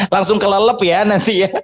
langsung kelelep ya nanti ya